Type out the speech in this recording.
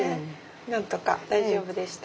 なんとか大丈夫でした。